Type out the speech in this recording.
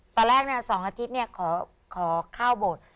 ตอนแรกนะ๒อาทิตย์เนี่ยขอข้าวโบสถ์